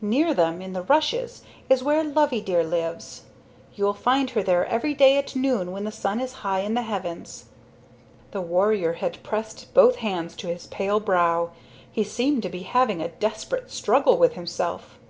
Near them, in the rushes, is where Loveydear lives. You'll find her there every day at noon when the sun is high in the heavens." The warrior had pressed both hands to his pale brow. He seemed to be having a desperate struggle with himself.